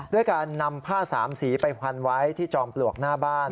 ด้วยการนำผ้าสามสีไปพันไว้ที่จอมปลวกหน้าบ้าน